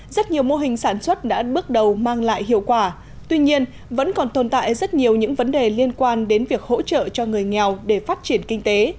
rất nhiều mô hình sản xuất đã bước đầu mang lại hiệu quả tuy nhiên vẫn còn tồn tại rất nhiều những vấn đề liên quan đến việc hỗ trợ cho người nghèo để phát triển kinh tế